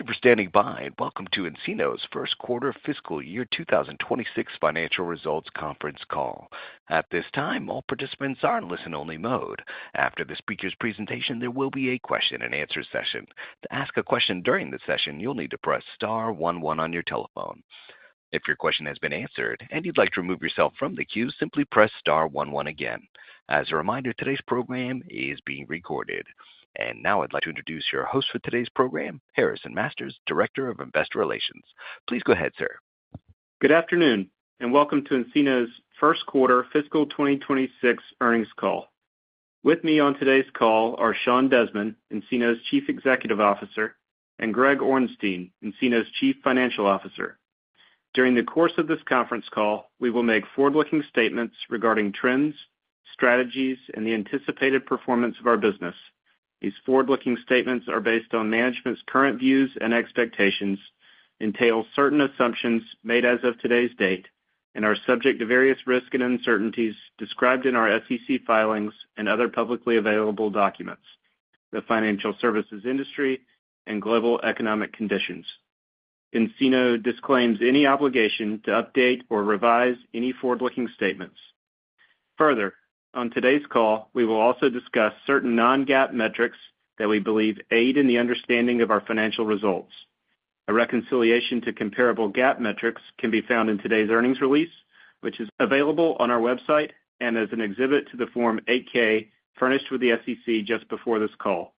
Thank you for standing by, and welcome to nCino's First Quarter Fiscal Year 2026 Financial Results Conference Call. At this time, all participants are in listen-only mode. After the speaker's presentation, there will be a Q&A session. To ask a question during the session, you'll need to press star one one on your telephone. If your question has been answered and you'd like to remove yourself from the queue, simply press star one one again. As a reminder, today's program is being recorded. Now I'd like to introduce your host for today's program, Harrison Masters, Director of Investor Relations. Please go ahead, sir. Good afternoon, and welcome to nCino's first quarter fiscal 2026 earnings call. With me on today's call are Sean Desmond, nCino's Chief Executive Officer, and Greg Orenstein, nCino's Chief Financial Officer. During the course of this conference call, we will make forward-looking statements regarding trends, strategies, and the anticipated performance of our business. These forward-looking statements are based on management's current views and expectations, entail certain assumptions made as of today's date, and are subject to various risks and uncertainties described in our SEC filings and other publicly available documents. The financial services industry and global economic conditions. nCino disclaims any obligation to update or revise any forward-looking statements. Further, on today's call, we will also discuss certain non-GAAP metrics that we believe aid in the understanding of our financial results. A reconciliation to comparable GAAP metrics can be found in today's earnings release, which is available on our website and as an exhibit to the Form 8-K furnished with the SEC just before this call,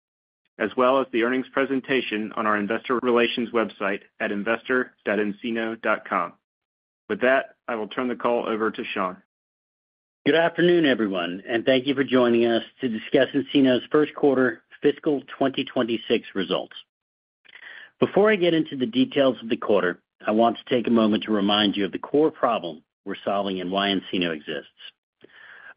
as well as the earnings presentation on our investor relations website at investor.ncino.com. With that, I will turn the call over to Sean. Good afternoon, everyone, and thank you for joining us to discuss nCino's first quarter fiscal 2026 results. Before I get into the details of the quarter, I want to take a moment to remind you of the core problem we're solving and why nCino exists.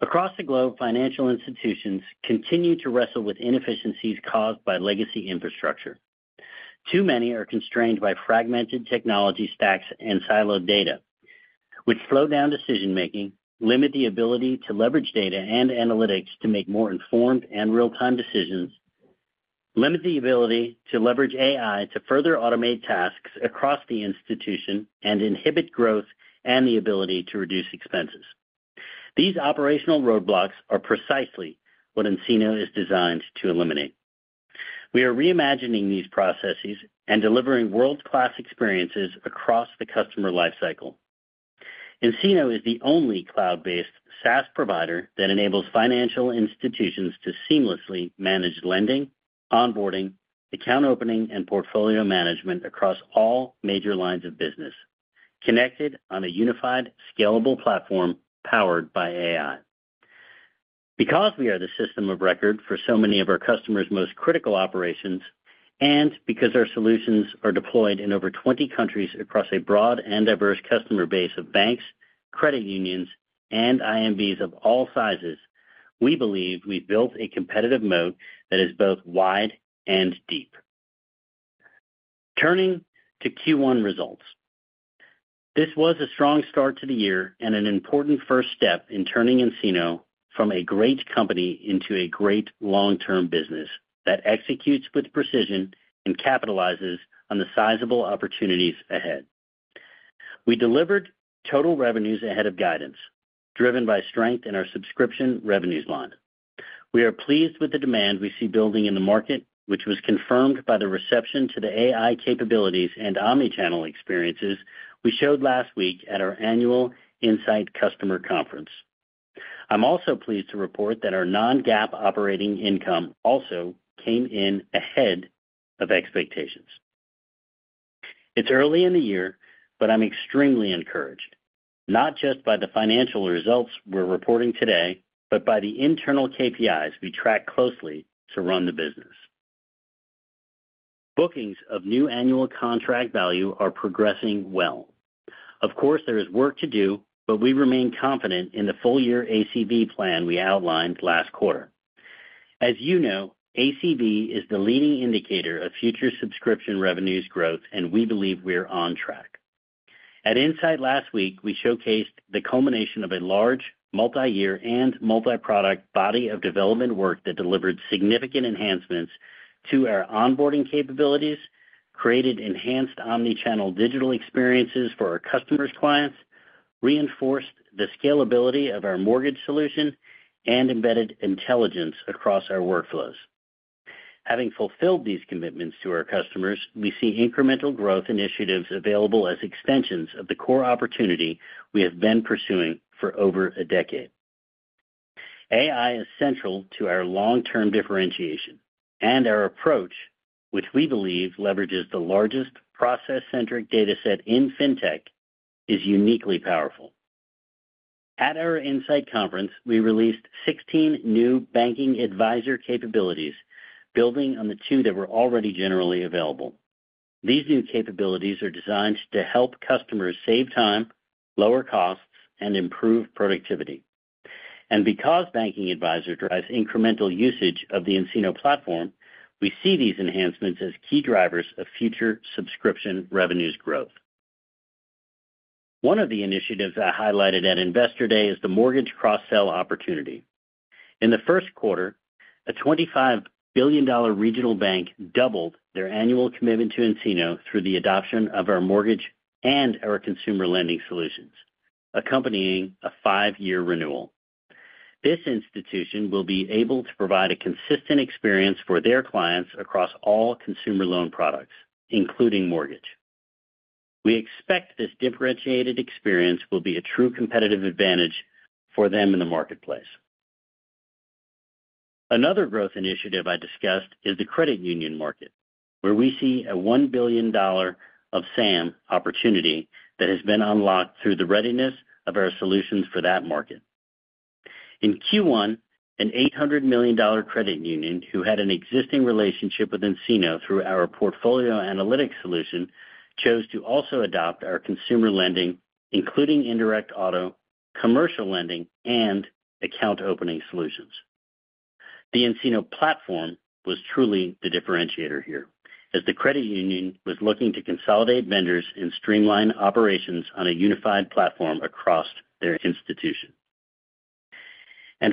Across the globe, financial institutions continue to wrestle with inefficiencies caused by legacy infrastructure. Too many are constrained by fragmented technology stacks and siloed data, which slow down decision-making, limit the ability to leverage data and analytics to make more informed and real-time decisions, limit the ability to leverage AI to further automate tasks across the institution, and inhibit growth and the ability to reduce expenses. These operational roadblocks are precisely what nCino is designed to eliminate. We are reimagining these processes and delivering world-class experiences across the customer lifecycle. nCino is the only cloud-based SaaS provider that enables financial institutions to seamlessly manage lending, onboarding, account opening, and portfolio management across all major lines of business, connected on a unified, scalable platform powered by AI. Because we are the system of record for so many of our customers' most critical operations, and because our solutions are deployed in over 20 countries across a broad and diverse customer base of banks, credit unions, and IMBs of all sizes, we believe we've built a competitive moat that is both wide and deep. Turning to Q1 results, this was a strong start to the year and an important first step in turning nCino from a great company into a great long-term business that executes with precision and capitalizes on the sizable opportunities ahead. We delivered total revenues ahead of guidance, driven by strength in our subscription revenues line. We are pleased with the demand we see building in the market, which was confirmed by the reception to the AI capabilities and omnichannel experiences we showed last week at our annual nSight Customer Conference. I'm also pleased to report that our non-GAAP operating income also came in ahead of expectations. It's early in the year, but I'm extremely encouraged, not just by the financial results we're reporting today, but by the internal KPIs we track closely to run the business. Bookings of new annual contract value are progressing well. Of course, there is work to do, but we remain confident in the full-year ACV plan we outlined last quarter. As you know, ACV is the leading indicator of future subscription revenues growth, and we believe we're on track. At nSight last week, we showcased the culmination of a large multi-year and multi-product body of development work that delivered significant enhancements to our onboarding capabilities, created enhanced omnichannel digital experiences for our customers' clients, reinforced the scalability of our mortgage solution, and embedded intelligence across our workflows. Having fulfilled these commitments to our customers, we see incremental growth initiatives available as extensions of the core opportunity we have been pursuing for over a decade. AI is central to our long-term differentiation, and our approach, which we believe leverages the largest process-centric dataset in Fintech, is uniquely powerful. At our nSight Conference, we released 16 new Banking Advisor capabilities, building on the two that were already generally available. These new capabilities are designed to help customers save time, lower costs, and improve productivity. Because Banking Advisor drives incremental usage of the nCino platform, we see these enhancements as key drivers of future subscription revenues growth. One of the initiatives I highlighted at Investor Day is the mortgage cross-sell opportunity. In the first quarter, a $25 billion regional bank doubled their annual commitment to nCino through the adoption of our mortgage and our consumer lending solutions, accompanying a five-year renewal. This institution will be able to provide a consistent experience for their clients across all consumer loan products, including mortgage. We expect this differentiated experience will be a true competitive advantage for them in the marketplace. Another growth initiative I discussed is the credit union market, where we see a $1 billion of SAM opportunity that has been unlocked through the readiness of our solutions for that market. In Q1, an $800 million credit union who had an existing relationship with nCino through our Portfolio Analytics solution chose to also adopt our Consumer Lending, including Indirect Auto, Commercial Lending, and Account Opening solutions. The nCino platform was truly the differentiator here, as the credit union was looking to consolidate vendors and streamline operations on a unified platform across their institution.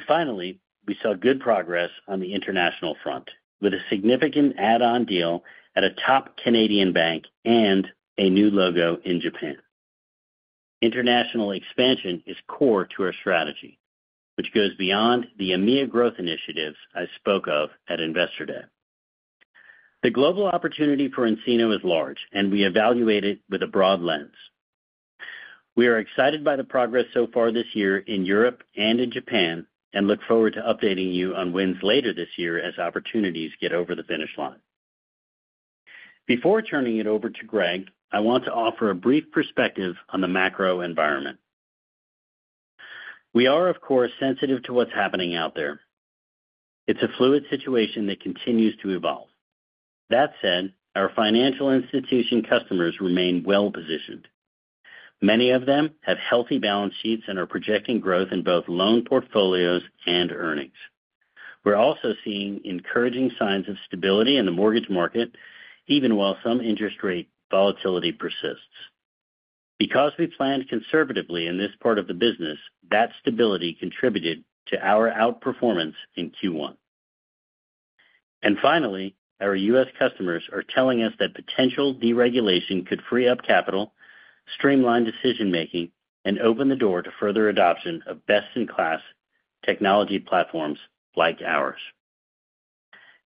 Finally, we saw good progress on the international front, with a significant add-on deal at a top Canadian bank and a new logo in Japan. International expansion is core to our strategy, which goes beyond the EMEA growth initiatives I spoke of at Investor Day. The global opportunity for nCino is large, and we evaluate it with a broad lens. We are excited by the progress so far this year in Europe and in Japan and look forward to updating you on wins later this year as opportunities get over the finish line. Before turning it over to Greg, I want to offer a brief perspective on the macro environment. We are, of course, sensitive to what's happening out there. It's a fluid situation that continues to evolve. That said, our financial institution customers remain well-positioned. Many of them have healthy balance sheets and are projecting growth in both loan portfolios and earnings. We're also seeing encouraging signs of stability in the mortgage market, even while some interest rate volatility persists. Because we planned conservatively in this part of the business, that stability contributed to our outperformance in Q1. Finally, our U.S. customers are telling us that potential deregulation could free up capital, streamline decision-making, and open the door to further adoption of best-in-class technology platforms like ours.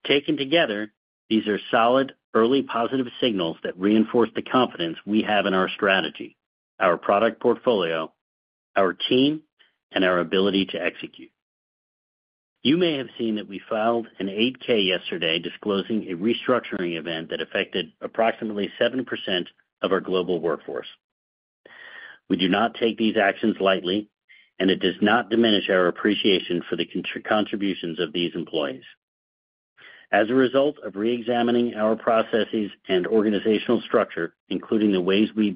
Taken together, these are solid, early positive signals that reinforce the confidence we have in our strategy, our product portfolio, our team, and our ability to execute. You may have seen that we filed an 8-K yesterday disclosing a restructuring event that affected approximately 7% of our global workforce. We do not take these actions lightly, and it does not diminish our appreciation for the contributions of these employees. As a result of re-examining our processes and organizational structure, including the ways we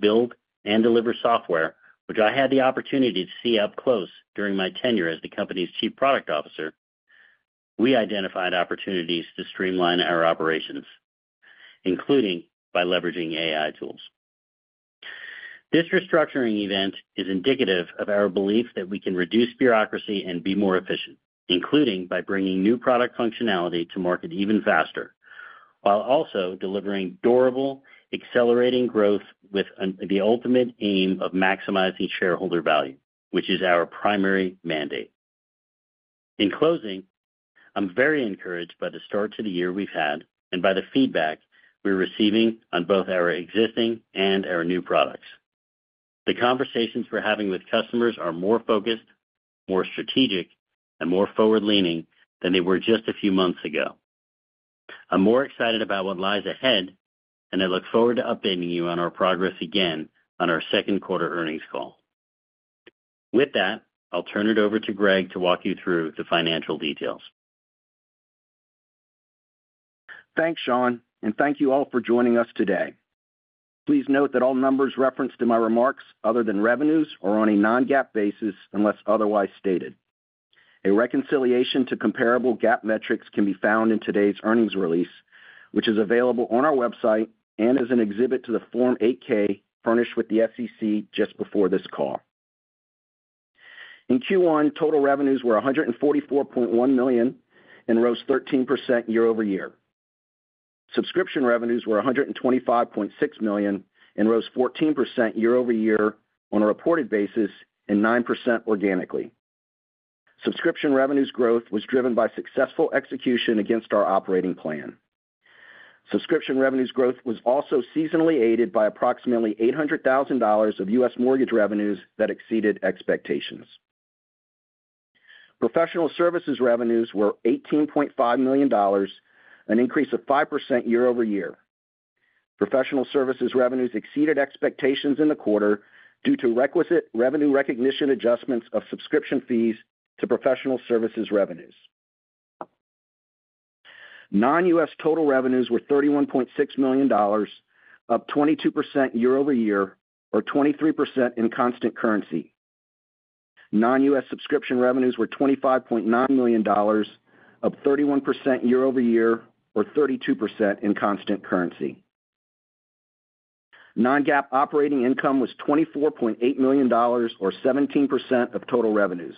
build and deliver software, which I had the opportunity to see up close during my tenure as the company's Chief Product Officer, we identified opportunities to streamline our operations, including by leveraging AI tools. This restructuring event is indicative of our belief that we can reduce bureaucracy and be more efficient, including by bringing new product functionality to market even faster, while also delivering durable, accelerating growth with the ultimate aim of maximizing shareholder value, which is our primary mandate. In closing, I'm very encouraged by the start to the year we've had and by the feedback we're receiving on both our existing and our new products. The conversations we're having with customers are more focused, more strategic, and more forward-leaning than they were just a few months ago. I'm more excited about what lies ahead, and I look forward to updating you on our progress again on our second quarter earnings call. With that, I'll turn it over to Greg to walk you through the financial details. Thanks, Sean, and thank you all for joining us today. Please note that all numbers referenced in my remarks, other than revenues, are on a non-GAAP basis unless otherwise stated. A reconciliation to comparable GAAP metrics can be found in today's earnings release, which is available on our website and is an exhibit to the Form 8-K furnished with the SEC just before this call. In Q1, total revenues were $144.1 million and rose 13% year-over-year. Subscription revenues were $125.6 million and rose 14% year-over-year on a reported basis and 9% organically. Subscription revenues growth was driven by successful execution against our operating plan. Subscription revenues growth was also seasonally aided by approximately $800,000 of U.S. mortgage revenues that exceeded expectations. Professional services revenues were $18.5 million, an increase of 5% year-over-year. Professional services revenues exceeded expectations in the quarter due to requisite revenue recognition adjustments of subscription fees to professional services revenues. Non-U.S. total revenues were $31.6 million, +22% year-over-year or 23% in constant currency. Non-U.S. subscription revenues were $25.9 million, +31% year-over-year or 32% in constant currency. Non-GAAP operating income was $24.8 million or 17% of total revenues.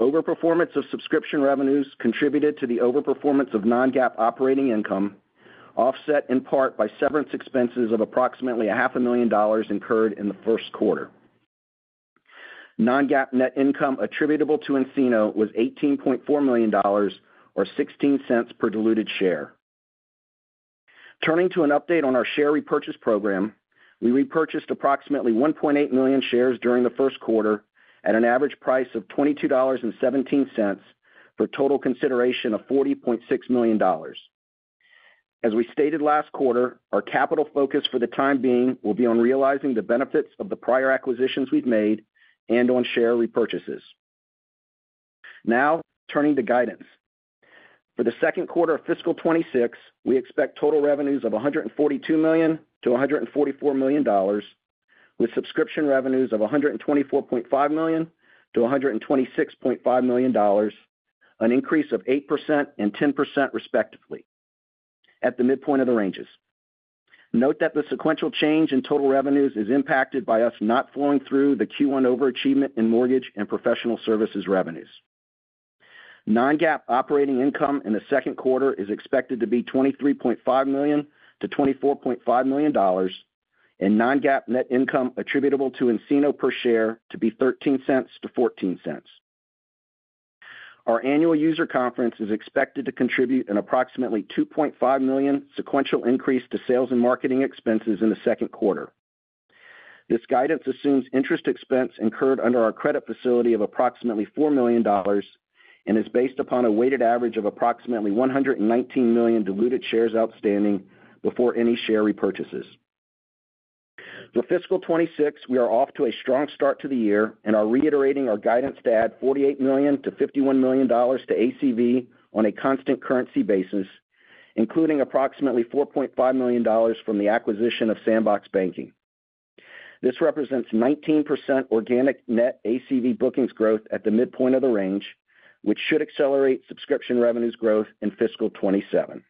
Overperformance of subscription revenues contributed to the overperformance of non-GAAP operating income, offset in part by severance expenses of approximately $500,000 incurred in the first quarter. Non-GAAP net income attributable to nCino was $18.4 million or $0.16 per diluted share. Turning to an update on our share repurchase program, we repurchased approximately $1.8 million shares during the first quarter at an average price of $22.17 for total consideration of $40.6 million. As we stated last quarter, our capital focus for the time being will be on realizing the benefits of the prior acquisitions we've made and on share repurchases. Now, turning to guidance. For the second quarter of fiscal 2026, we expect total revenues of $142 million-$144 million, with subscription revenues of $124.5 million-$126.5 million, an increase of 8% and 10% respectively, at the midpoint of the ranges. Note that the sequential change in total revenues is impacted by us not flowing through the Q1 overachievement in mortgage and professional services revenues. Non-GAAP operating income in the second quarter is expected to be $23.5 million-$24.5 million, and non-GAAP net income attributable to nCino per share to be $0.13-$0.14. Our annual user conference is expected to contribute an approximately $2.5 million sequential increase to sales and marketing expenses in the second quarter. This guidance assumes interest expense incurred under our credit facility of approximately $4 million and is based upon a weighted average of approximately $119 million diluted shares outstanding before any share repurchases. For fiscal 2026, we are off to a strong start to the year and are reiterating our guidance to add $48 million-$51 million to ACV on a constant currency basis, including approximately $4.5 million from the acquisition of Sandbox Banking. This represents 19% organic net ACV bookings growth at the midpoint of the range, which should accelerate subscription revenues growth in fiscal 2027.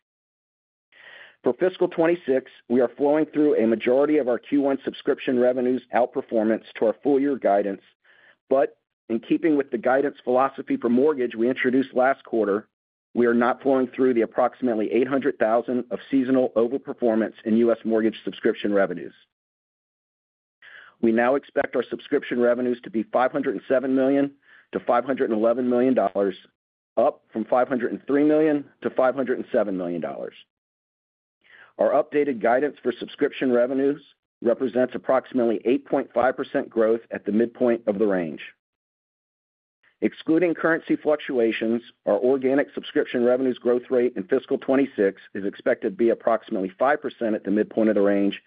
For fiscal 2026, we are flowing through a majority of our Q1 subscription revenues outperformance to our full-year guidance, but in keeping with the guidance philosophy for mortgage we introduced last quarter, we are not flowing through the approximately $800,000 of seasonal overperformance in U.S. mortgage subscription revenues. We now expect our subscription revenues to be $507 million-$511 million, up from $503 million-$507 million. Our updated guidance for subscription revenues represents approximately 8.5% growth at the midpoint of the range. Excluding currency fluctuations, our organic subscription revenues growth rate in fiscal 2026 is expected to be approximately 5% at the midpoint of the range,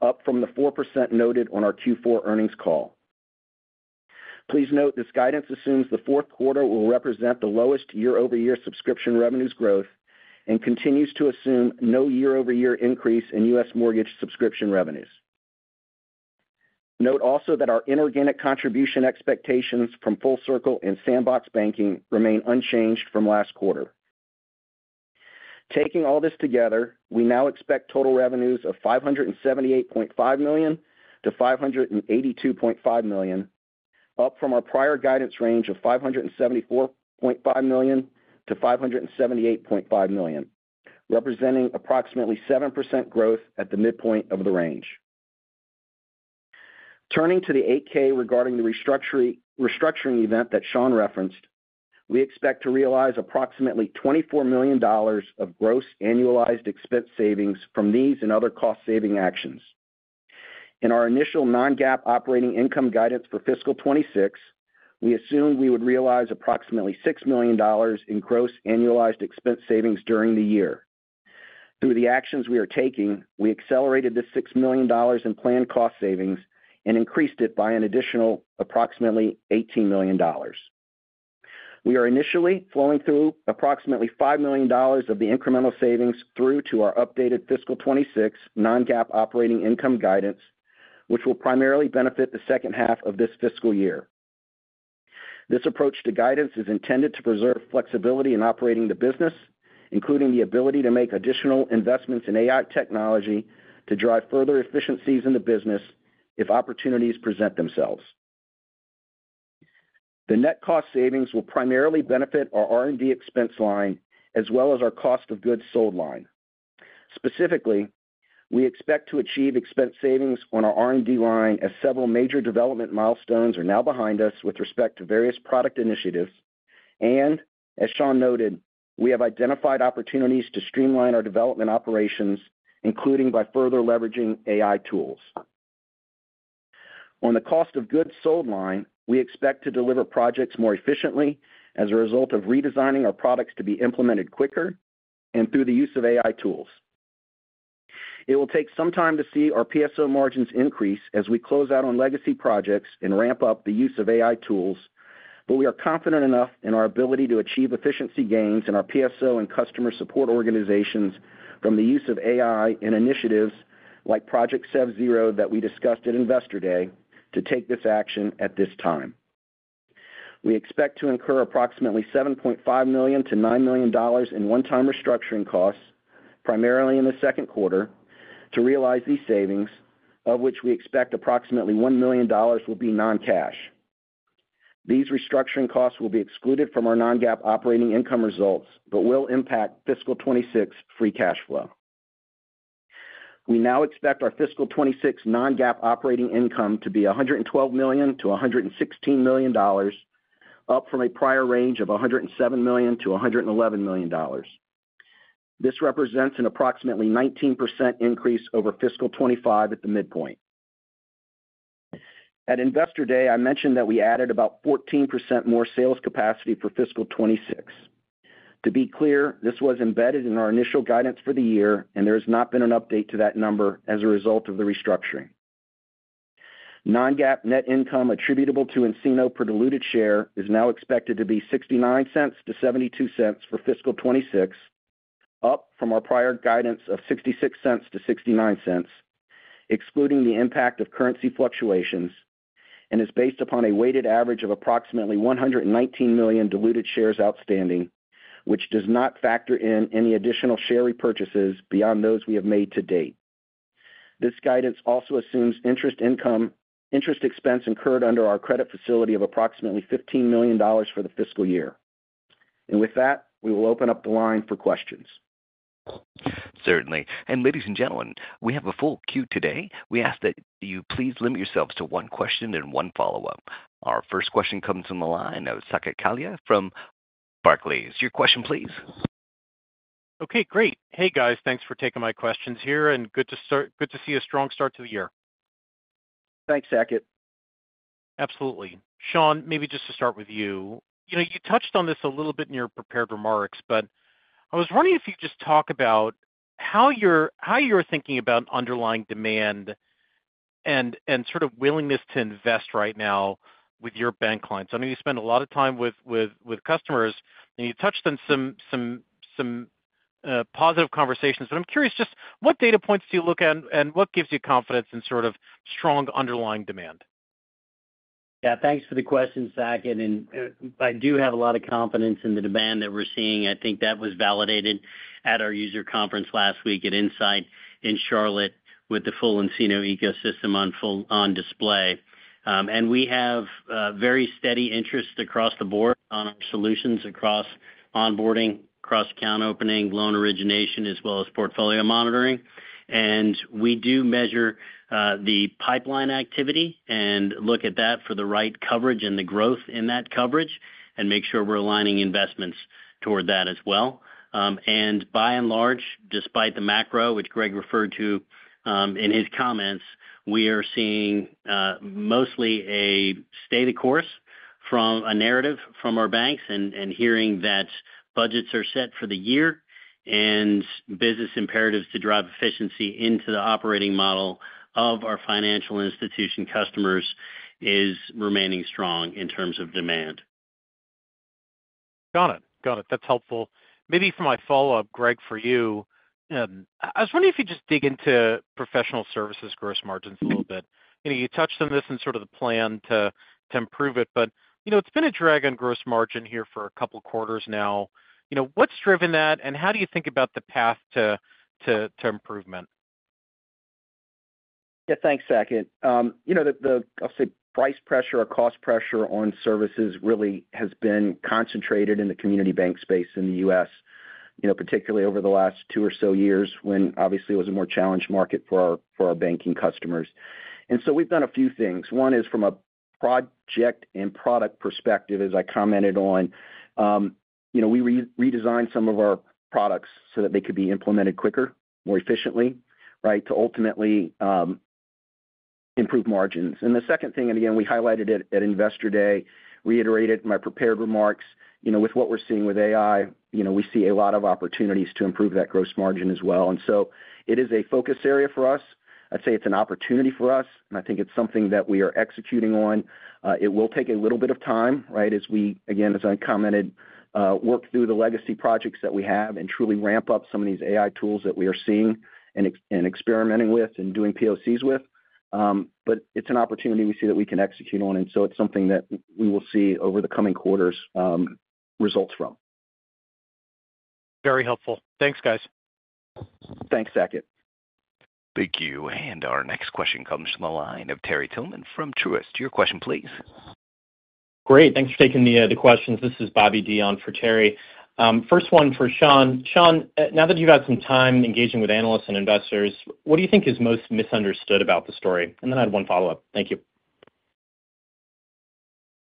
up from the 4% noted on our Q4 earnings call. Please note this guidance assumes the fourth quarter will represent the lowest year-over-year subscription revenues growth and continues to assume no year-over-year increase in U.S. mortgage subscription revenues. Note also that our inorganic contribution expectations from Full Circle and Sandbox Banking remain unchanged from last quarter. Taking all this together, we now expect total revenues of $578.5 million-$582.5 million, up from our prior guidance range of $574.5 million-$578.5 million, representing approximately 7% growth at the midpoint of the range. Turning to the 8-K regarding the restructuring event that Sean referenced, we expect to realize approximately $24 million of gross annualized expense savings from these and other cost-saving actions. In our initial non-GAAP operating income guidance for fiscal 2026, we assumed we would realize approximately $6 million in gross annualized expense savings during the year. Through the actions we are taking, we accelerated this $6 million in planned cost savings and increased it by an additional approximately $18 million. We are initially flowing through approximately $5 million of the incremental savings through to our updated fiscal 2026 non-GAAP operating income guidance, which will primarily benefit the second half of this fiscal year. This approach to guidance is intended to preserve flexibility in operating the business, including the ability to make additional investments in AI technology to drive further efficiencies in the business if opportunities present themselves. The net cost savings will primarily benefit our R&D expense line as well as our cost of goods sold line. Specifically, we expect to achieve expense savings on our R&D line as several major development milestones are now behind us with respect to various product initiatives. As Sean noted, we have identified opportunities to streamline our development operations, including by further leveraging AI tools. On the cost of goods sold line, we expect to deliver projects more efficiently as a result of redesigning our products to be implemented quicker and through the use of AI tools. It will take some time to see our PSO margins increase as we close out on legacy projects and ramp up the use of AI tools, but we are confident enough in our ability to achieve efficiency gains in our PSO and customer support organizations from the use of AI and initiatives like Project SevZero that we discussed at Investor Day to take this action at this time. We expect to incur approximately $7.5 million-$9 million in one-time restructuring costs, primarily in the second quarter, to realize these savings, of which we expect approximately $1 million will be non-cash. These restructuring costs will be excluded from our non-GAAP operating income results but will impact fiscal 2026 free cash flow. We now expect our fiscal 2026 non-GAAP operating income to be $112 million-$116 million, up from a prior range of $107 million-$111 million. This represents an approximately 19% increase over fiscal 2025 at the midpoint. At Investor Day, I mentioned that we added about 14% more sales capacity for fiscal 2026. To be clear, this was embedded in our initial guidance for the year, and there has not been an update to that number as a result of the restructuring. Non-GAAP net income attributable to nCino per diluted share is now expected to be $0.69-$0.72 for fiscal 2026, up from our prior guidance of $0.66-$0.69, excluding the impact of currency fluctuations, and is based upon a weighted average of approximately $119 million diluted shares outstanding, which does not factor in any additional share repurchases beyond those we have made to date. This guidance also assumes interest expense incurred under our credit facility of approximately $15 million for the fiscal year. With that, we will open up the line for questions. Certainly. Ladies and gentlemen, we have a full queue today. We ask that you please limit yourselves to one question and one follow-up. Our first question comes from the line, Saket Kalia from Barclays. Your question, please. Okay, great. Hey, guys. Thanks for taking my questions here, and good to see a strong start to the year. Thanks, Saket. Absolutely. Sean, maybe just to start with you, you touched on this a little bit in your prepared remarks, but I was wondering if you'd just talk about how you're thinking about underlying demand and sort of willingness to invest right now with your bank clients. I know you spend a lot of time with customers, and you touched on some positive conversations, but I'm curious just what data points do you look at, and what gives you confidence in sort of strong underlying demand? Yeah, thanks for the question, Saket. I do have a lot of confidence in the demand that we're seeing. I think that was validated at our user conference last week at nSight in Charlotte with the full nCino ecosystem on display. We have very steady interest across the board on our solutions across onboarding, account opening, loan origination, as well as portfolio monitoring. We do measure the pipeline activity and look at that for the right coverage and the growth in that coverage and make sure we're aligning investments toward that as well. By and large, despite the macro, which Greg referred to in his comments, we are seeing mostly a state of course from a narrative from our banks and hearing that budgets are set for the year and business imperatives to drive efficiency into the operating model of our financial institution customers is remaining strong in terms of demand. Got it. Got it. That's helpful. Maybe for my follow-up, Greg, for you, I was wondering if you'd just dig into professional services gross margins a little bit. You touched on this and sort of the plan to improve it, but it's been a drag on gross margin here for a couple of quarters now. What's driven that, and how do you think about the path to improvement? Yeah, thanks, Saket. I'll say price pressure or cost pressure on services really has been concentrated in the community bank space in the U.S., particularly over the last two or so years when obviously it was a more challenged market for our banking customers. We've done a few things. One is from a project and product perspective, as I commented on, we redesigned some of our products so that they could be implemented quicker, more efficiently, right, to ultimately improve margins. The second thing, and again, we highlighted it at Investor Day, reiterated in my prepared remarks, with what we're seeing with AI, we see a lot of opportunities to improve that gross margin as well. It is a focus area for us. I'd say it's an opportunity for us, and I think it's something that we are executing on. It will take a little bit of time, right, as we, again, as I commented, work through the legacy projects that we have and truly ramp up some of these AI tools that we are seeing and experimenting with and doing POCs with. It is an opportunity we see that we can execute on, and it is something that we will see over the coming quarters results from. Very helpful. Thanks, guys. Thanks, Saket. Thank you. Our next question comes from the line of Terry Tillman from Truist. Your question, please. Great. Thanks for taking the questions. This is Bobby Dion for Terry. First one for Sean. Sean, now that you've had some time engaging with analysts and investors, what do you think is most misunderstood about the story? I had one follow-up. Thank you.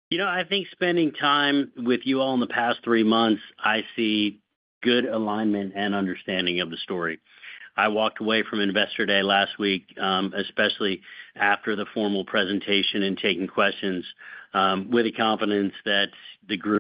You know, I think spending time with you all in the past three months, I see good alignment and understanding of the story. I walked away from Investor Day last week, especially after the formal presentation and taking questions with the confidence that the group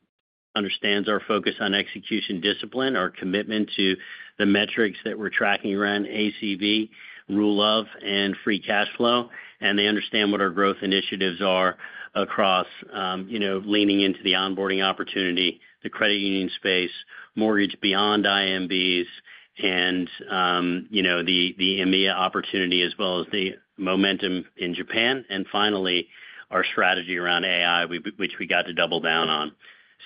understands our focus on execution discipline, our commitment to the metrics that we're tracking around ACV, Rule of 40, and free cash flow, and they understand what our growth initiatives are across leaning into the onboarding opportunity, the credit union space, mortgage beyond IMBs, and the EMEA opportunity, as well as the momentum in Japan, and finally, our strategy around AI, which we got to double down on.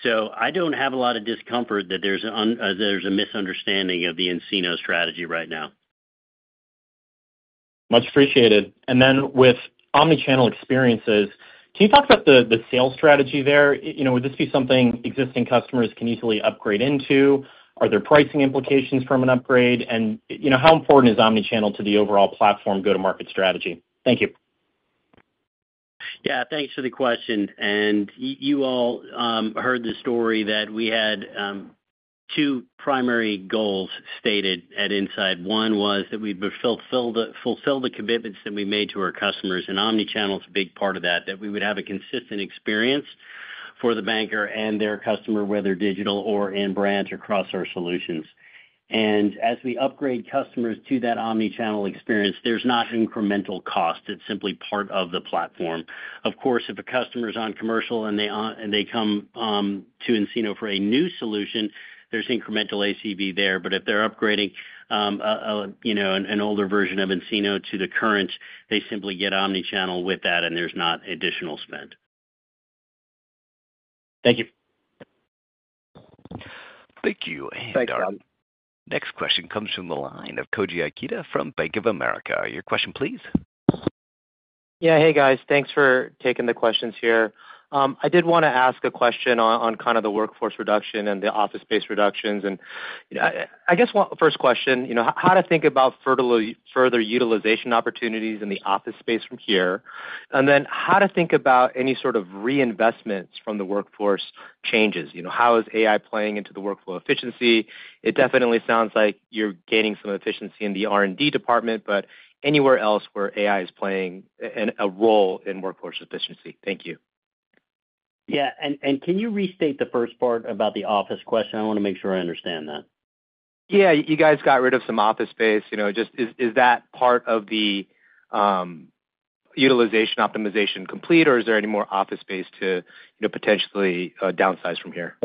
I don't have a lot of discomfort that there's a misunderstanding of the nCino strategy right now. Much appreciated. With omnichannel experiences, can you talk about the sales strategy there? Would this be something existing customers can easily upgrade into? Are there pricing implications from an upgrade? How important is omnichannel to the overall platform go-to-market strategy? Thank you. Yeah, thanks for the question. You all heard the story that we had two primary goals stated at nSight. One was that we fulfill the commitments that we made to our customers. Omnichannel is a big part of that, that we would have a consistent experience for the banker and their customer, whether digital or in-branch, across our solutions. As we upgrade customers to that omnichannel experience, there's not incremental cost. It's simply part of the platform. Of course, if a customer is on Commercial and they come to nCino for a new solution, there's incremental ACV there. If they're upgrading an older version of nCino to the current, they simply get omnichannel with that, and there's not additional spend. Thank you. Thank you. Our next question comes from the line of Koji Ikeda from Bank of America. Your question, please. Yeah, hey, guys. Thanks for taking the questions here. I did want to ask a question on kind of the workforce reduction and the office space reductions. I guess first question, how to think about further utilization opportunities in the office space from here, and then how to think about any sort of reinvestments from the workforce changes? How is AI playing into the workflow efficiency? It definitely sounds like you're gaining some efficiency in the R&D department, but anywhere else where AI is playing a role in workforce efficiency. Thank you. Yeah. Can you restate the first part about the office question? I want to make sure I understand that. Yeah. You guys got rid of some office space. Is that part of the utilization optimization complete, or is there any more office space to potentially downsize from here?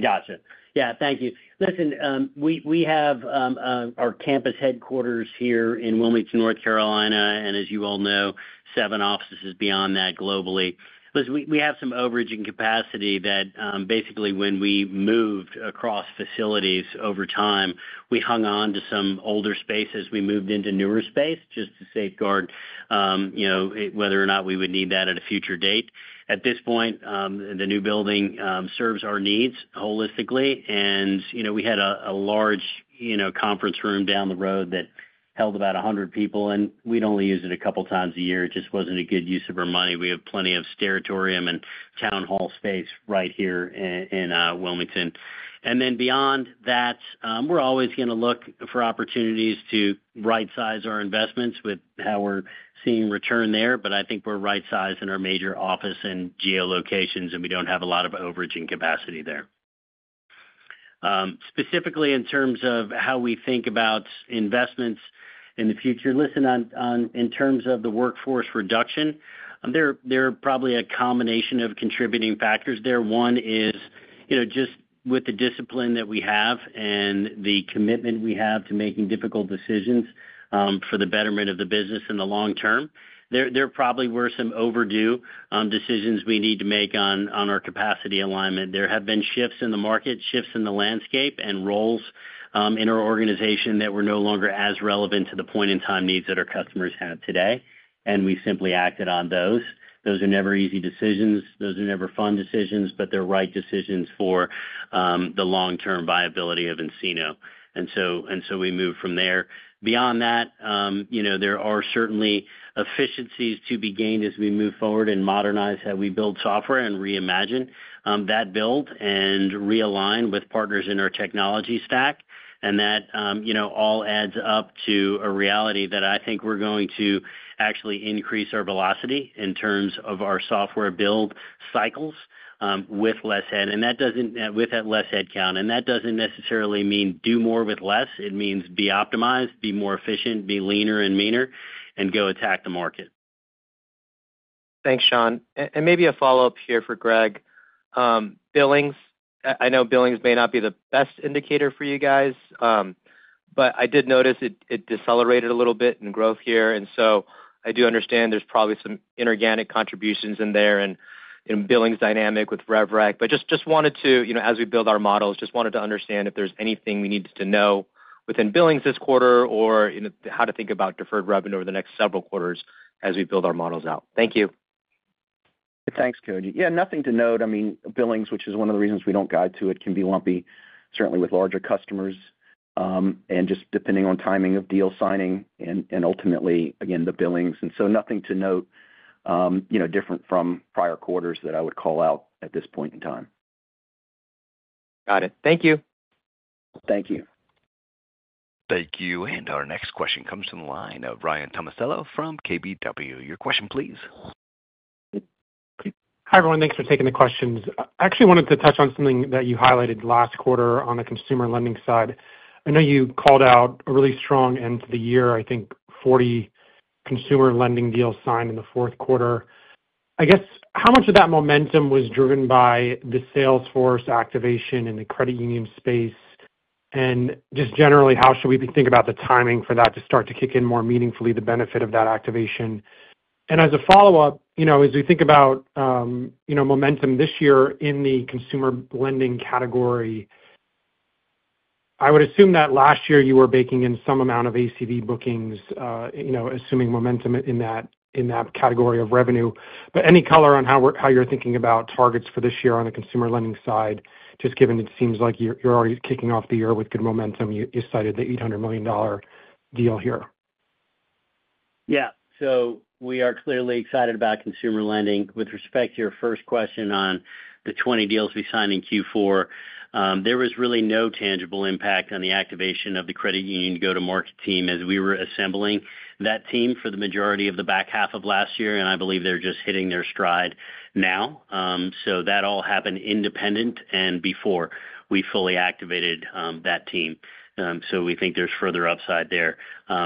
Gotcha. Yeah, thank you. Listen, we have our campus headquarters here in Wilmington, North Carolina, and as you all know, seven offices beyond that globally. Listen, we have some overage in capacity that basically when we moved across facilities over time, we hung on to some older spaces. We moved into newer space just to safeguard whether or not we would need that at a future date. At this point, the new building serves our needs holistically. We had a large conference room down the road that held about 100 people, and we'd only use it a couple of times a year. It just was not a good use of our money. We have plenty of auditorium and town hall space right here in Wilmington. Then beyond that, we're always going to look for opportunities to right-size our investments with how we're seeing return there, but I think we're right-sized in our major office and geolocations, and we don't have a lot of overage in capacity there. Specifically in terms of how we think about investments in the future, listen, in terms of the workforce reduction, there are probably a combination of contributing factors there. One is just with the discipline that we have and the commitment we have to making difficult decisions for the betterment of the business in the long term, there probably were some overdue decisions we need to make on our capacity alignment. There have been shifts in the market, shifts in the landscape, and roles in our organization that were no longer as relevant to the point-in-time needs that our customers have today, and we simply acted on those. Those are never easy decisions. Those are never fun decisions, but they're right decisions for the long-term viability of nCino. We moved from there. Beyond that, there are certainly efficiencies to be gained as we move forward and modernize how we build software and reimagine that build and realign with partners in our technology stack. That all adds up to a reality that I think we're going to actually increase our velocity in terms of our software build cycles with less headcount. That doesn't necessarily mean do more with less. It means be optimized, be more efficient, be leaner and meaner, and go attack the market. Thanks, Sean. Maybe a follow-up here for Greg. Billings, I know billings may not be the best indicator for you guys, but I did notice it decelerated a little bit in growth here. I do understand there's probably some inorganic contributions in there and billings dynamic with RevRec. Just wanted to, as we build our models, just wanted to understand if there's anything we need to know within billings this quarter or how to think about deferred revenue over the next several quarters as we build our models out? Thank you. Thanks, Koji. Yeah, nothing to note. I mean, billings, which is one of the reasons we do not guide to it, can be lumpy, certainly with larger customers, and just depending on timing of deal signing and ultimately, again, the billings. Nothing to note different from prior quarters that I would call out at this point in time. Got it. Thank you. Thank you. Thank you. Our next question comes from the line of Ryan Tomasello from KBW. Your question, please. Hi everyone. Thanks for taking the questions. I actually wanted to touch on something that you highlighted last quarter on the consumer lending side. I know you called out a really strong end to the year, I think 40 consumer lending deals signed in the fourth quarter. I guess how much of that momentum was driven by the Salesforce activation in the credit union space? Just generally, how should we think about the timing for that to start to kick in more meaningfully, the benefit of that activation? As a follow-up, as we think about momentum this year in the consumer lending category, I would assume that last year you were baking in some amount of ACV bookings, assuming momentum in that category of revenue. Any color on how you're thinking about targets for this year on the consumer lending side, just given it seems like you're already kicking off the year with good momentum, you cited the $800 million deal here? Yeah. We are clearly excited about consumer lending. With respect to your first question on the 20 deals we signed in Q4, there was really no tangible impact on the activation of the credit union go-to-market team as we were assembling that team for the majority of the back half of last year. I believe they're just hitting their stride now. That all happened independent and before we fully activated that team. We think there's further upside there. As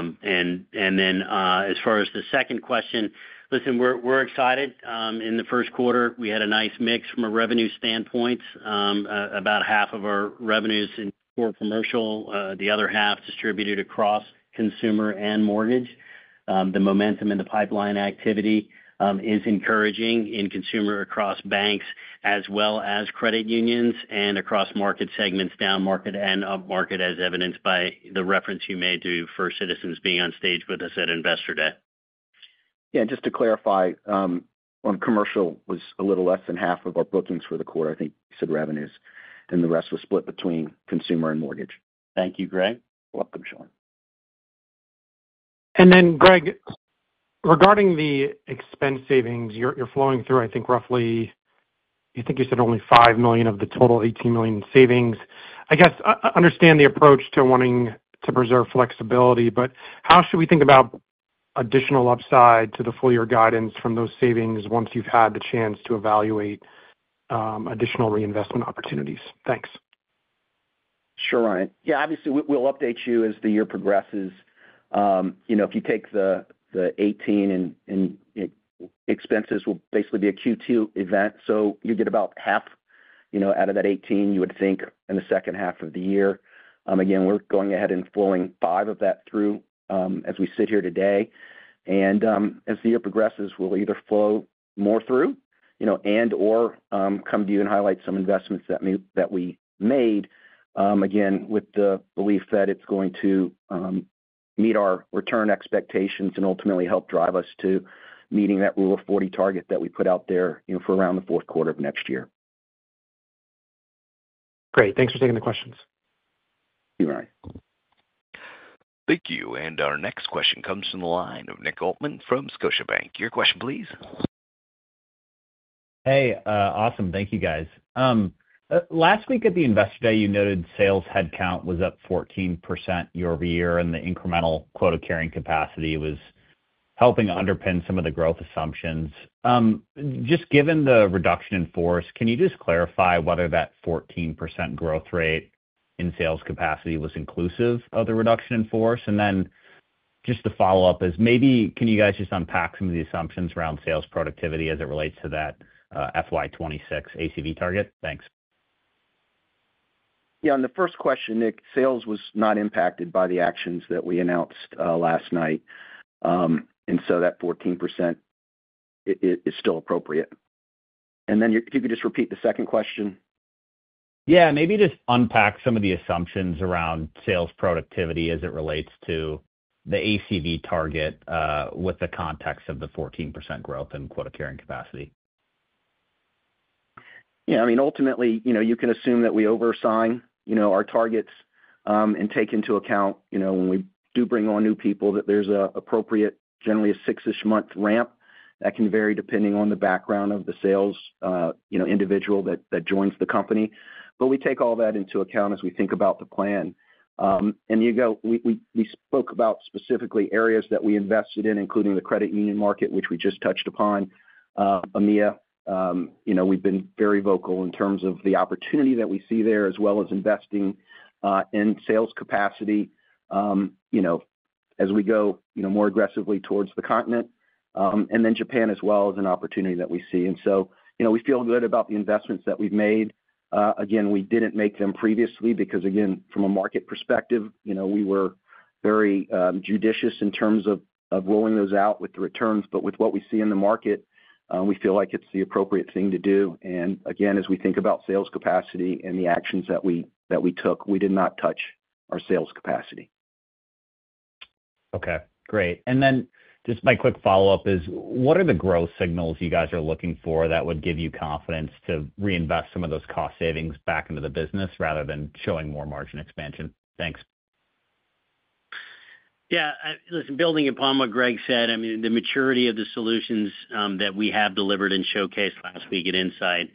far as the second question, listen, we're excited. In the first quarter, we had a nice mix from a revenue standpoint. About half of our revenues in core commercial, the other half distributed across consumer and mortgage. The momentum in the pipeline activity is encouraging in consumer across banks as well as credit unions and across market segments, down market and up market, as evidenced by the reference you made to First Citizens being on stage with us at Investor Day. Yeah. Just to clarify, on commercial, it was a little less than half of our bookings for the quarter. I think you said revenues, and the rest was split between consumer and mortgage. Thank you, Greg. You're welcome, Sean. Greg, regarding the expense savings, you're flowing through, I think, roughly, you think you said only $5 million of the total $18 million savings. I guess I understand the approach to wanting to preserve flexibility, but how should we think about additional upside to the full year guidance from those savings once you've had the chance to evaluate additional reinvestment opportunities? Thanks. Sure, Ryan. Yeah, obviously, we'll update you as the year progresses. If you take the 18, and expenses will basically be a Q2 event, so you get about half out of that 18 you would think in the second half of the year. Again, we're going ahead and flowing five of that through as we sit here today. As the year progresses, we'll either flow more through and/or come to you and highlight some investments that we made, again, with the belief that it's going to meet our return expectations and ultimately help drive us to meeting that Rule of 40 target that we put out there for around the fourth quarter of next year. Great. Thanks for taking the questions. You're right. Thank you. Our next question comes from the line of Nick Altmann from Scotiabank. Your question, please. Hey. Awesome. Thank you, guys. Last week at the Investor Day, you noted sales headcount was up 14% year-over-year, and the incremental quota carrying capacity was helping underpin some of the growth assumptions. Just given the reduction in force, can you just clarify whether that 14% growth rate in sales capacity was inclusive of the reduction in force? The follow-up is maybe can you guys just unpack some of the assumptions around sales productivity as it relates to that FY 2026 ACV target? Thanks. Yeah. On the first question, Nick, sales was not impacted by the actions that we announced last night. And so that 14% is still appropriate. If you could just repeat the second question. Yeah. Maybe just unpack some of the assumptions around sales productivity as it relates to the ACV target with the context of the 14% growth in quota carrying capacity. Yeah. I mean, ultimately, you can assume that we oversign our targets and take into account when we do bring on new people that there's an appropriate, generally a six-ish month ramp that can vary depending on the background of the sales individual that joins the company. We take all that into account as we think about the plan. We spoke about specifically areas that we invested in, including the credit union market, which we just touched upon. EMEA, we've been very vocal in terms of the opportunity that we see there as well as investing in sales capacity as we go more aggressively towards the continent. Japan as well is an opportunity that we see. We feel good about the investments that we've made. Again, we did not make them previously because, again, from a market perspective, we were very judicious in terms of rolling those out with the returns. With what we see in the market, we feel like it is the appropriate thing to do. Again, as we think about sales capacity and the actions that we took, we did not touch our sales capacity. Okay. Great. And then just my quick follow-up is, what are the growth signals you guys are looking for that would give you confidence to reinvest some of those cost savings back into the business rather than showing more margin expansion? Thanks. Yeah. Listen, building upon what Greg said, I mean, the maturity of the solutions that we have delivered and showcased last week at nSight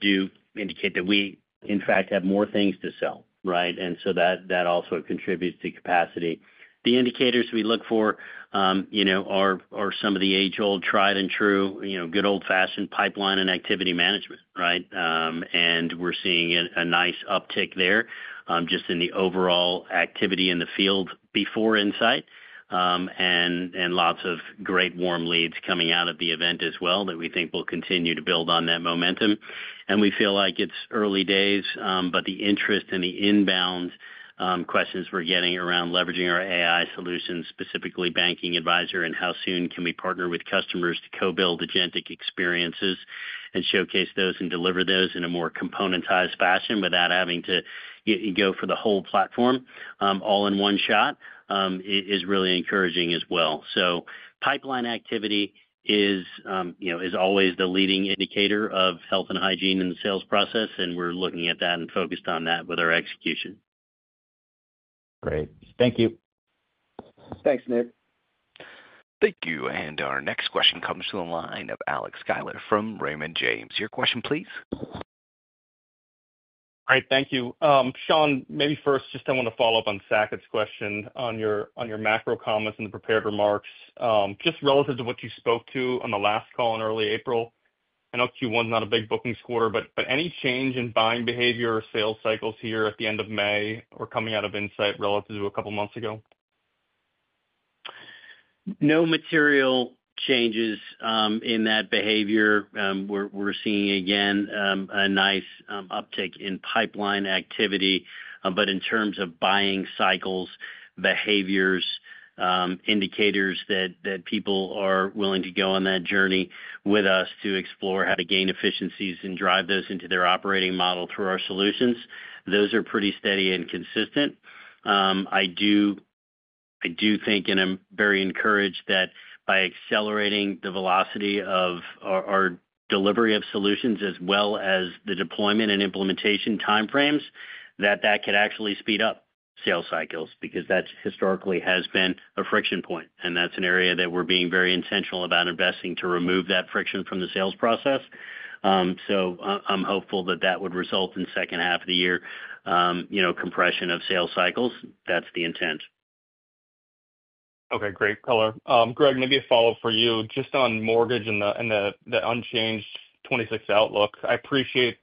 do indicate that we, in fact, have more things to sell, right? That also contributes to capacity. The indicators we look for are some of the age-old tried and true, good old-fashioned pipeline and activity management, right? We're seeing a nice uptick there just in the overall activity in the field before nSight and lots of great warm leads coming out of the event as well that we think will continue to build on that momentum. We feel like it's early days, but the interest and the inbound questions we're getting around leveraging our AI solutions, specifically Banking Advisor, and how soon can we partner with customers to co-build agentic experiences and showcase those and deliver those in a more componentized fashion without having to go for the whole platform all in one shot is really encouraging as well. Pipeline activity is always the leading indicator of health and hygiene in the sales process, and we're looking at that and focused on that with our execution. Great. Thank you. Thanks, Nick. Thank you. Our next question comes from the line of Alex Sklar from Raymond James. Your question, please. All right. Thank you. Sean, maybe first, just I want to follow up on Saket's question on your macro comments and the prepared remarks. Just relative to what you spoke to on the last call in early April, I know Q1 is not a big bookings quarter, but any change in buying behavior or sales cycles here at the end of May or coming out of insight relative to a couple of months ago? No material changes in that behavior. We're seeing again a nice uptick in pipeline activity. In terms of buying cycles, behaviors, indicators that people are willing to go on that journey with us to explore how to gain efficiencies and drive those into their operating model through our solutions, those are pretty steady and consistent. I do think, and I'm very encouraged that by accelerating the velocity of our delivery of solutions as well as the deployment and implementation time frames, that that could actually speed up sales cycles because that historically has been a friction point. That's an area that we're being very intentional about investing to remove that friction from the sales process. I'm hopeful that that would result in second half of the year compression of sales cycles. That's the intent. Okay. Great, color. Greg, maybe a follow-up for you just on mortgage and the unchanged 2026 outlook. I appreciate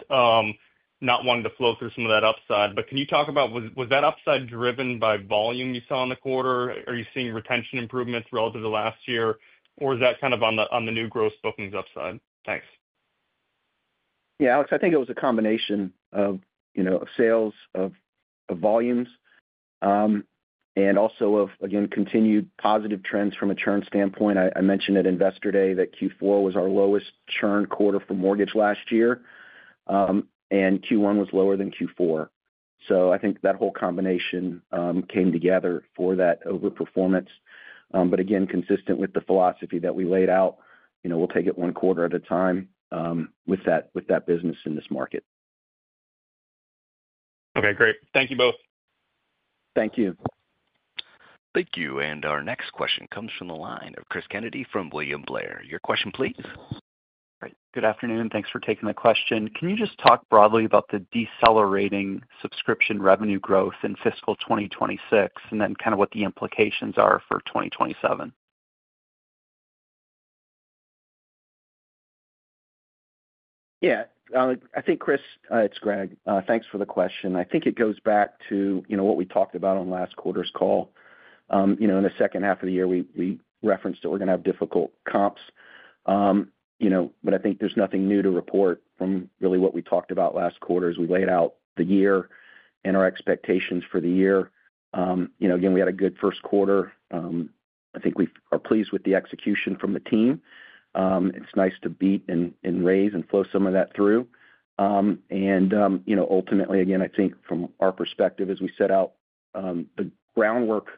not wanting to flow through some of that upside, but can you talk about was that upside driven by volume you saw in the quarter? Are you seeing retention improvements relative to last year, or is that kind of on the new gross bookings upside? Thanks. Yeah. Alex, I think it was a combination of sales, of volumes, and also of, again, continued positive trends from a churn standpoint. I mentioned at Investor Day that Q4 was our lowest churn quarter for mortgage last year, and Q1 was lower than Q4. I think that whole combination came together for that overperformance. Again, consistent with the philosophy that we laid out, we'll take it one quarter at a time with that business in this market. Okay. Great. Thank you both. Thank you. Thank you. Our next question comes from the line of Cris Kennedy from William Blair. Your question, please. All right. Good afternoon. Thanks for taking the question. Can you just talk broadly about the decelerating subscription revenue growth in fiscal 2026 and then kind of what the implications are for 2027? Yeah. I think, Cris, it's Greg. Thanks for the question. I think it goes back to what we talked about on last quarter's call. In the second half of the year, we referenced that we're going to have difficult comps. I think there's nothing new to report from really what we talked about last quarter as we laid out the year and our expectations for the year. Again, we had a good first quarter. I think we are pleased with the execution from the team. It's nice to beat and raise and flow some of that through. Ultimately, again, I think from our perspective, as we set out the groundwork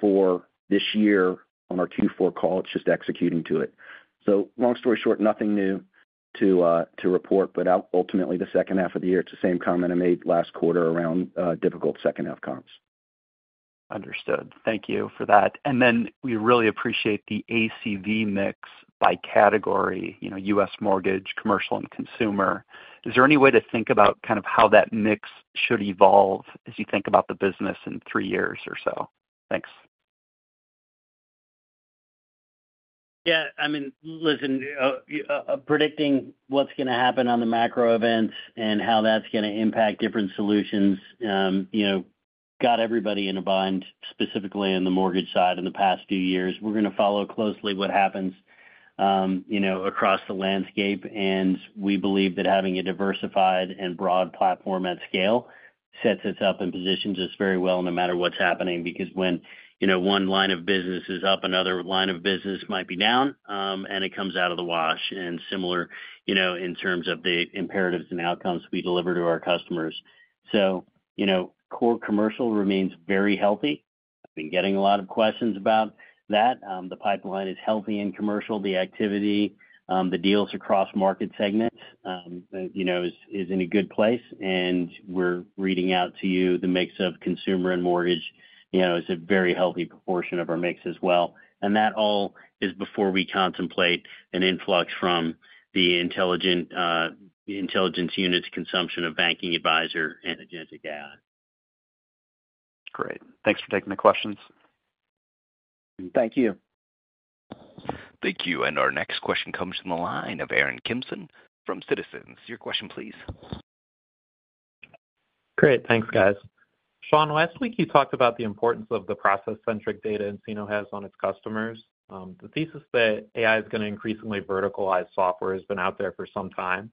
for this year on our Q4 call, it's just executing to it. Long story short, nothing new to report. Ultimately, the second half of the year, it's the same comment I made last quarter around difficult second-half comps. Understood. Thank you for that. We really appreciate the ACV mix by category, in U.S. Mortgage, commercial, and consumer. Is there any way to think about kind of how that mix should evolve as you think about the business in three years or so? Thanks. Yeah. I mean, listen, predicting what's going to happen on the macro events and how that's going to impact different solutions got everybody in a bind, specifically on the mortgage side in the past few years. We are going to follow closely what happens across the landscape. We believe that having a diversified and broad platform at scale sets us up and positions us very well no matter what's happening because when one line of business is up, another line of business might be down, and it comes out of the wash. Similar in terms of the imperatives and outcomes we deliver to our customers. Core commercial remains very healthy. I've been getting a lot of questions about that. The pipeline is healthy in commercial. The activity, the deals across market segments is in a good place. We're reading out to you the mix of consumer and mortgage is a very healthy proportion of our mix as well. That all is before we contemplate an influx from the intelligence units, consumption of Banking Advisor, and agentic AI. Great. Thanks for taking the questions. Thank you. Thank you. Our next question comes from the line of Aaron Kimson from Citizens. Your question, please. Great. Thanks, guys. Sean, last week, you talked about the importance of the process-centric data nCino has on its customers. The thesis that AI is going to increasingly verticalize software has been out there for some time.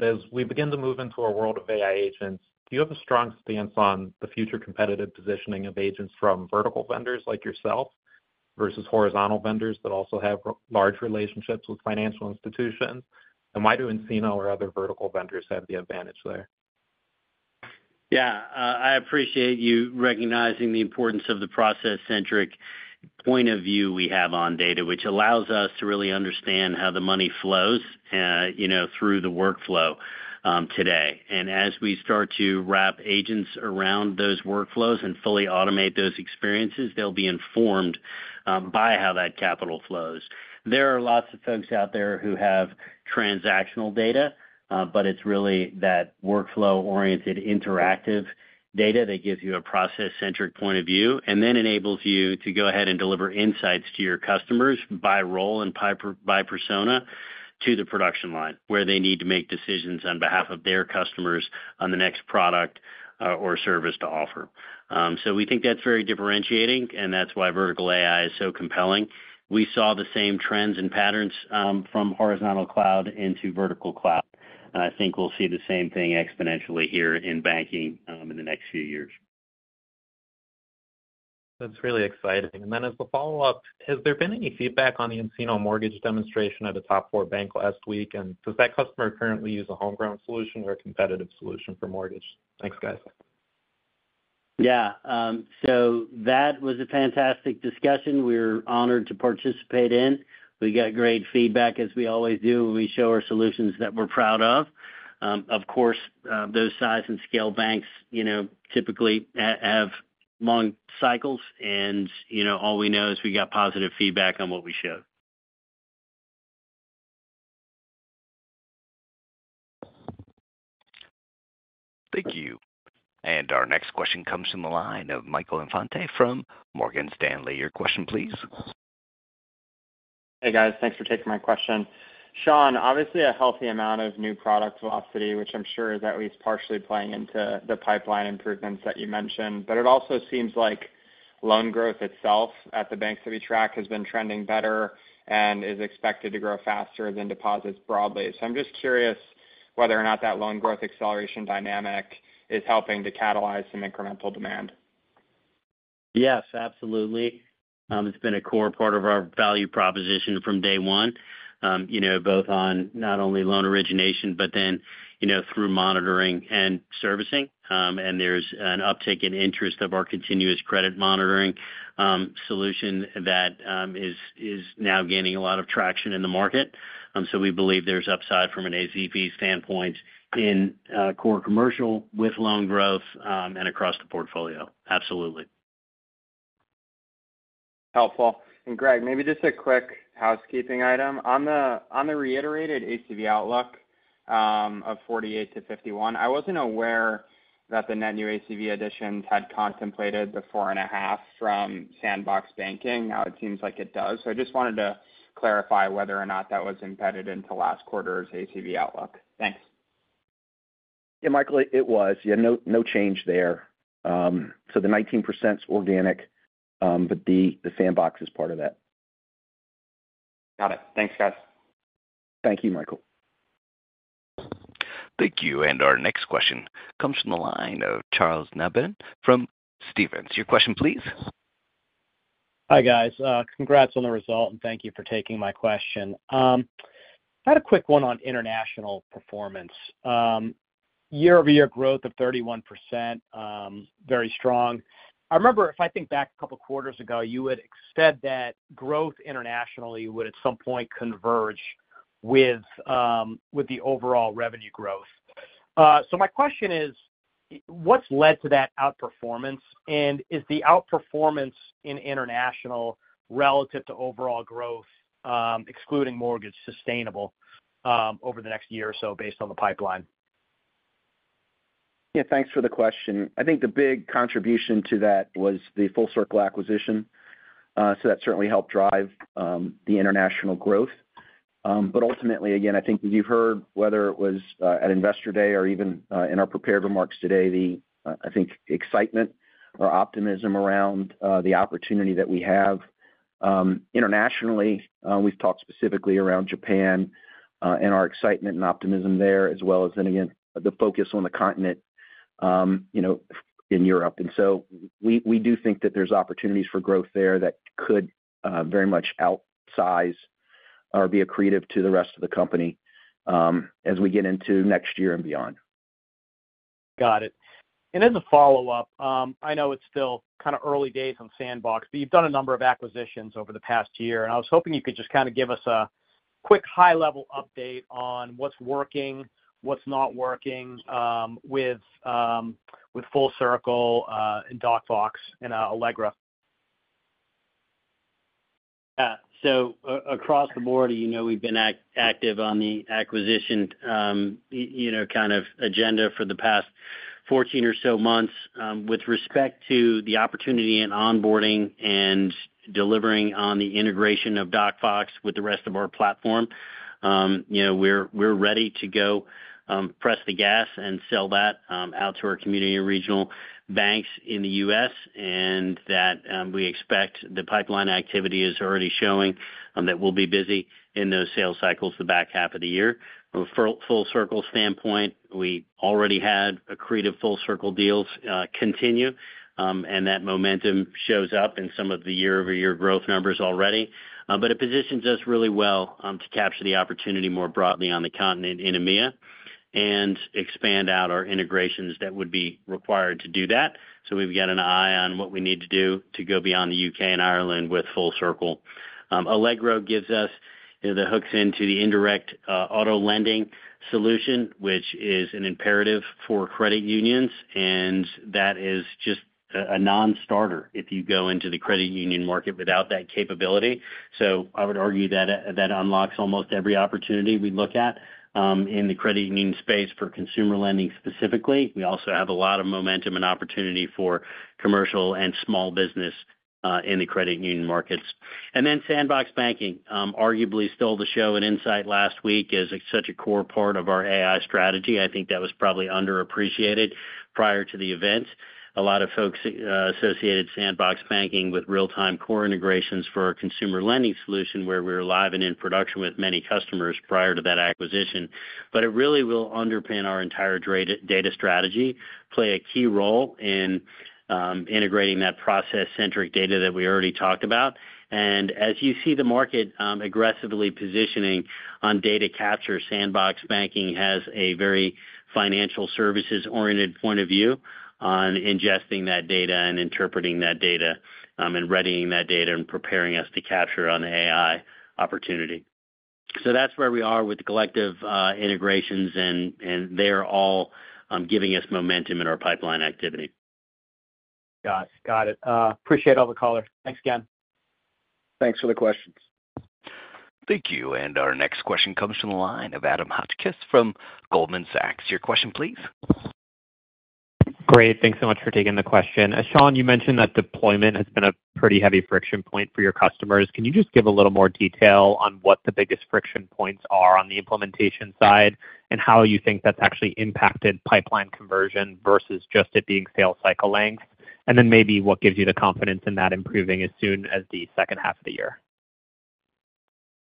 As we begin to move into a world of AI agents, do you have a strong stance on the future competitive positioning of agents from vertical vendors like yourself versus horizontal vendors that also have large relationships with financial institutions? Why do nCino or other vertical vendors have the advantage there? Yeah. I appreciate you recognizing the importance of the process-centric point of view we have on data, which allows us to really understand how the money flows through the workflow today. As we start to wrap agents around those workflows and fully automate those experiences, they'll be informed by how that capital flows. There are lots of folks out there who have transactional data, but it's really that workflow-oriented, interactive data that gives you a process-centric point of view and then enables you to go ahead and deliver insights to your customers by role and by persona to the production line where they need to make decisions on behalf of their customers on the next product or service to offer. We think that's very differentiating, and that's why vertical AI is so compelling. We saw the same trends and patterns from horizontal cloud into vertical cloud. I think we'll see the same thing exponentially here in banking in the next few years. That's really exciting. As a follow-up, has there been any feedback on the nCino Mortgage Solution demonstration at a top four bank last week? Does that customer currently use a homegrown solution or a competitive solution for mortgage? Thanks, guys. Yeah. That was a fantastic discussion. We were honored to participate in. We got great feedback, as we always do when we show our solutions that we're proud of. Of course, those size and scale banks typically have long cycles. All we know is we got positive feedback on what we showed. Thank you. Our next question comes from the line of Michael Indante from Morgan Stanley. Your question, please. Hey, guys. Thanks for taking my question. Sean, obviously, a healthy amount of new product velocity, which I'm sure is at least partially playing into the pipeline improvements that you mentioned. It also seems like loan growth itself at the banks that we track has been trending better and is expected to grow faster than deposits broadly. I am just curious whether or not that loan growth acceleration dynamic is helping to catalyze some incremental demand? Yes, absolutely. It's been a core part of our value proposition from day one, both on not only loan origination, but then through monitoring and servicing. There's an uptick in interest of our Continuous Credit Monitoring solution that is now gaining a lot of traction in the market. We believe there's upside from an ACV standpoint in core commercial with loan growth and across the portfolio. Absolutely. Helpful. Greg, maybe just a quick housekeeping item. On the reiterated ACV outlook of $48 million-$51 million, I was not aware that the net new ACV additions had contemplated the $4.5 million from Sandbox Banking. Now it seems like it does. I just wanted to clarify whether or not that was embedded into last quarter's ACV outlook? Thanks. Yeah, Michael, it was. Yeah, no change there. So the 19% is organic, but the Sandbox Banking is part of that. Got it. Thanks, guys. Thank you, Michael. Thank you. Our next question comes from the line of Charles Nabhan from Stephens. Your question, please. Hi, guys. Congrats on the result, and thank you for taking my question. I had a quick one on international performance. Year-over-year growth of 31%, very strong. I remember if I think back a couple of quarters ago, you had said that growth internationally would at some point converge with the overall revenue growth. My question is, what's led to that outperformance? Is the outperformance in international relative to overall growth, excluding mortgage, sustainable over the next year or so based on the pipeline? Yeah, thanks for the question. I think the big contribution to that was the Full Circle acquisition. That certainly helped drive the international growth. Ultimately, again, I think as you've heard, whether it was at Investor Day or even in our prepared remarks today, the, I think, excitement or optimism around the opportunity that we have internationally. We've talked specifically around Japan and our excitement and optimism there, as well as, then again, the focus on the continent in Europe. We do think that there's opportunities for growth there that could very much outsize or be accretive to the rest of the company as we get into next year and beyond. Got it. As a follow-up, I know it's still kind of early days on Sandbox, but you've done a number of acquisitions over the past year. I was hoping you could just kind of give us a quick high-level update on what's working, what's not working with Full Circle, and DocVox, and Allegra. Yeah. Across the board, we've been active on the acquisition kind of agenda for the past 14 or so months with respect to the opportunity in onboarding and delivering on the integration of DocVox with the rest of our platform. We're ready to go press the gas and sell that out to our community and regional banks in the U.S. We expect the pipeline activity is already showing that we'll be busy in those sales cycles the back half of the year. From a Full Circle standpoint, we already had accretive Full Circle deals continue. That momentum shows up in some of the year-over-year growth numbers already. It positions us really well to capture the opportunity more broadly on the continent in EMEA and expand out our integrations that would be required to do that. We've got an eye on what we need to do to go beyond the U.K. and Ireland with Full Circle. Allegra gives us the hooks into the indirect auto lending solution, which is an imperative for credit unions. That is just a non-starter if you go into the credit union market without that capability. I would argue that unlocks almost every opportunity we look at in the credit union space for consumer lending specifically. We also have a lot of momentum and opportunity for commercial and small business in the credit union markets. Then Sandbox Banking, arguably, stole the show at nSight last week as such a core part of our AI strategy. I think that was probably underappreciated prior to the event. A lot of folks associated Sandbox Banking with real-time core integrations for our Consumer Lending solution where we were live and in production with many customers prior to that acquisition. It really will underpin our entire data strategy, play a key role in integrating that process-centric data that we already talked about. As you see the market aggressively positioning on data capture, Sandbox Banking has a very financial services-oriented point of view on ingesting that data and interpreting that data and readying that data and preparing us to capture on the AI opportunity. That is where we are with the collective integrations, and they are all giving us momentum in our pipeline activity. Got it. Got it. Appreciate all the callers. Thanks again. Thanks for the questions. Thank you. Our next question comes from the line of Adam Hotchkiss from Goldman Sachs. Your question, please. Great. Thanks so much for taking the question. Sean, you mentioned that deployment has been a pretty heavy friction point for your customers. Can you just give a little more detail on what the biggest friction points are on the implementation side and how you think that's actually impacted pipeline conversion versus just it being sales cycle length? Maybe what gives you the confidence in that improving as soon as the second half of the year?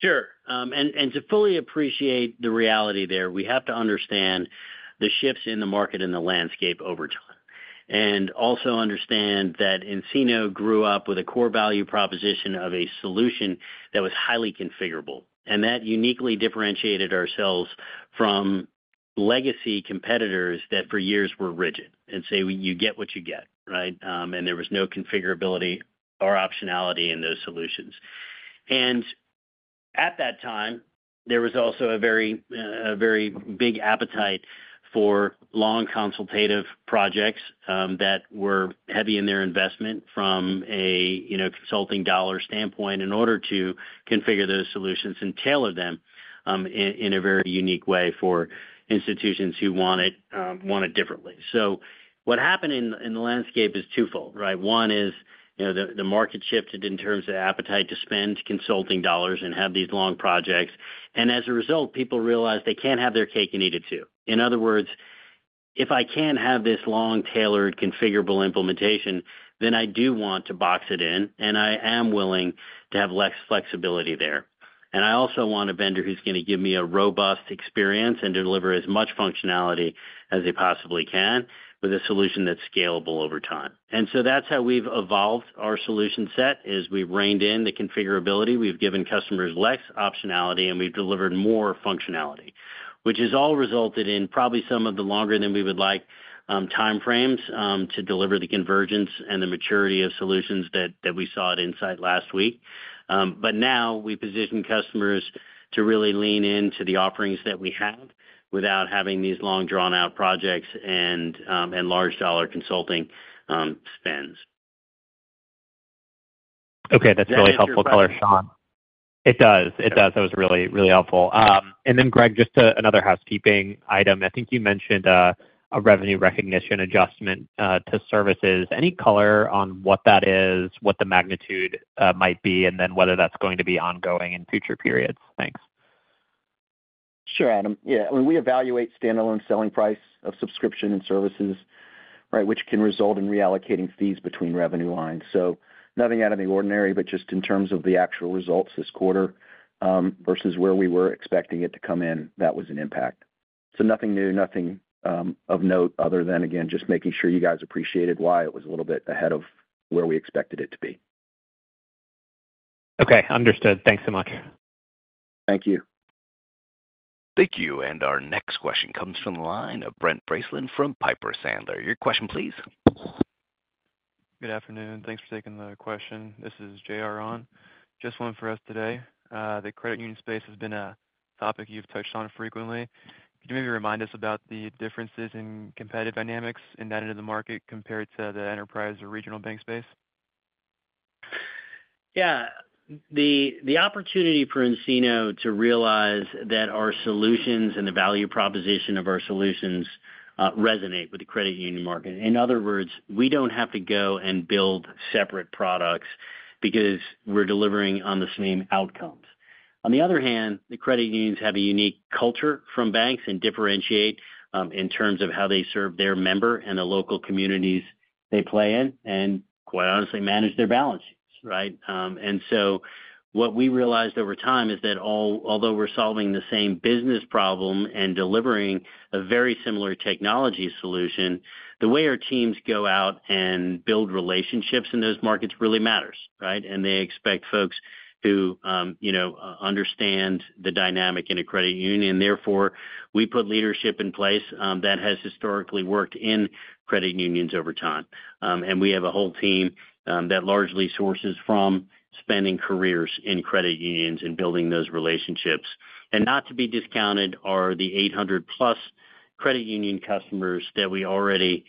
Sure. To fully appreciate the reality there, we have to understand the shifts in the market and the landscape over time. We also have to understand that nCino grew up with a core value proposition of a solution that was highly configurable. That uniquely differentiated ourselves from legacy competitors that for years were rigid. They would say, you get what you get, right? There was no configurability or optionality in those solutions. At that time, there was also a very big appetite for long consultative projects that were heavy in their investment from a consulting dollar standpoint in order to configure those solutions and tailor them in a very unique way for institutions who wanted it differently. What happened in the landscape is twofold, right? One is the market shifted in terms of appetite to spend consulting dollars and have these long projects. As a result, people realized they can't have their cake and eat it too. In other words, if I can't have this long tailored configurable implementation, then I do want to box it in, and I am willing to have less flexibility there. I also want a vendor who's going to give me a robust experience and deliver as much functionality as they possibly can with a solution that's scalable over time. That's how we've evolved our solution set as we've reined in the configurability. We've given customers less optionality, and we've delivered more functionality, which has all resulted in probably some of the longer than we would like time frames to deliver the convergence and the maturity of solutions that we saw at nSight last week. Now we position customers to really lean into the offerings that we have without having these long drawn-out projects and large dollar consulting spends. Okay. That's really helpful color, Sean. It does. That was really, really helpful. Greg, just another housekeeping item. I think you mentioned a revenue recognition adjustment to services. Any color on what that is, what the magnitude might be, and whether that's going to be ongoing in future periods? Thanks. Sure, Adam. Yeah. I mean, we evaluate standalone selling price of subscription and services, right, which can result in reallocating fees between revenue lines. Nothing out of the ordinary, but just in terms of the actual results this quarter versus where we were expecting it to come in, that was an impact. Nothing new, nothing of note other than, again, just making sure you guys appreciated why it was a little bit ahead of where we expected it to be. Okay. Understood. Thanks so much. Thank you. Thank you. Our next question comes from the line of Brent Bracelin from Piper Sandler. Your question, please. Good afternoon. Thanks for taking the question. This is J.R. On. Just one for us today. The credit union space has been a topic you've touched on frequently. Could you maybe remind us about the differences in competitive dynamics in that end of the market compared to the enterprise or regional bank space? Yeah. The opportunity for nCino to realize that our solutions and the value proposition of our solutions resonate with the credit union market. In other words, we do not have to go and build separate products because we are delivering on the same outcomes. On the other hand, the credit unions have a unique culture from banks and differentiate in terms of how they serve their member and the local communities they play in and, quite honestly, manage their balance sheets, right? What we realized over time is that although we are solving the same business problem and delivering a very similar technology solution, the way our teams go out and build relationships in those markets really matters, right? They expect folks who understand the dynamic in a credit union. Therefore, we put leadership in place that has historically worked in credit unions over time. We have a whole team that largely sources from spending careers in credit unions and building those relationships. Not to be discounted are the +800 credit union customers that we already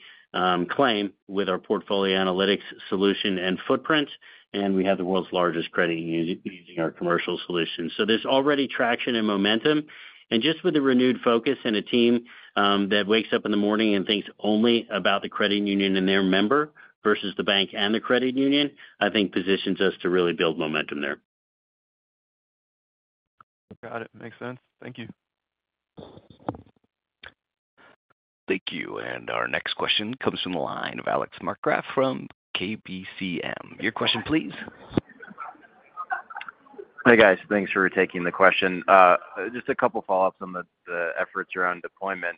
claim with our portfolio analytics solution and footprint. We have the world's largest credit union using our commercial solution. There is already traction and momentum. Just with the renewed focus and a team that wakes up in the morning and thinks only about the credit union and their member versus the bank and the credit union, I think positions us to really build momentum there. Got it. Makes sense. Thank you. Thank you. Our next question comes from the line of Alex Markgraff from KBCM. Your question, please. Hi guys. Thanks for taking the question. Just a couple of follow-ups on the efforts around deployment.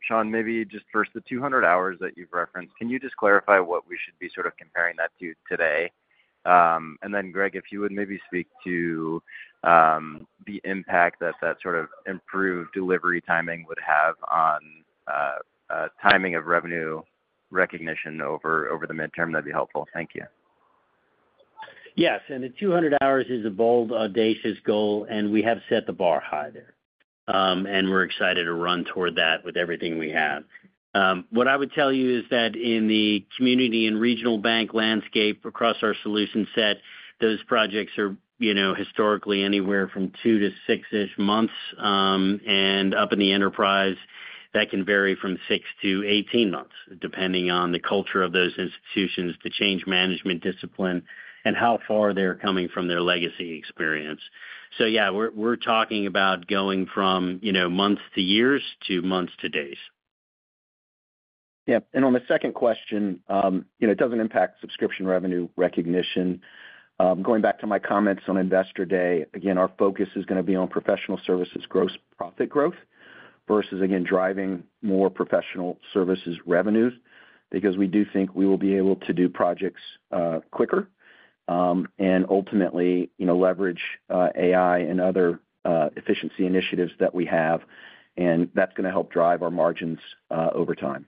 Sean, maybe just first, the 200 hours that you've referenced, can you just clarify what we should be sort of comparing that to today? Then, Greg, if you would maybe speak to the impact that that sort of improved delivery timing would have on timing of revenue recognition over the midterm, that'd be helpful. Thank you. Yes. The 200 hours is a bold, audacious goal, and we have set the bar high there. We are excited to run toward that with everything we have. What I would tell you is that in the community and regional bank landscape across our solution set, those projects are historically anywhere from two to six-ish months. Up in the enterprise, that can vary from 6-18 months, depending on the culture of those institutions, the change management discipline, and how far they are coming from their legacy experience. Yeah, we are talking about going from months to years to months to days. Yep. On the second question, it does not impact subscription revenue recognition. Going back to my comments on Investor Day, again, our focus is going to be on professional services growth, profit growth, versus, again, driving more professional services revenues because we do think we will be able to do projects quicker and ultimately leverage AI and other efficiency initiatives that we have. That is going to help drive our margins over time.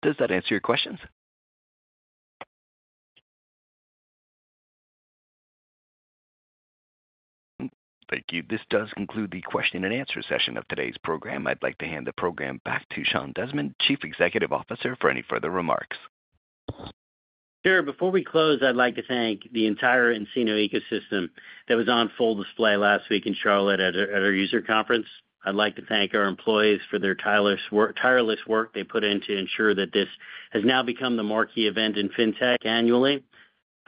Does that answer your questions? Thank you. This does conclude the question and answer session of today's program. I'd like to hand the program back to Sean Desmond, Chief Executive Officer, for any further remarks. Sure. Before we close, I'd like to thank the entire nCino ecosystem that was on full display last week in Charlotte at our user conference. I'd like to thank our employees for their tireless work they put in to ensure that this has now become the marquee event in fintech annually.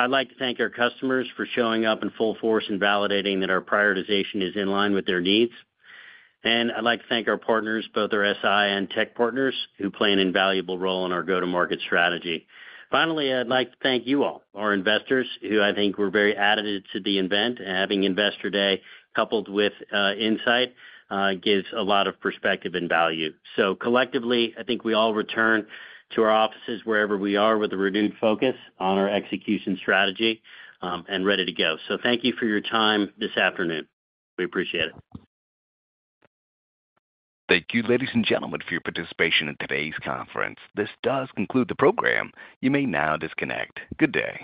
I'd like to thank our customers for showing up in full force and validating that our prioritization is in line with their needs. I'd like to thank our partners, both our SI and tech partners, who play an invaluable role in our go-to-market strategy. Finally, I'd like to thank you all, our investors, who I think were very additive to the event. Having Investor Day coupled with nSight gives a lot of perspective and value. Collectively, I think we all return to our offices wherever we are with a renewed focus on our execution strategy and ready to go. Thank you for your time this afternoon. We appreciate it. Thank you, ladies and gentlemen, for your participation in today's conference. This does conclude the program. You may now disconnect. Good day.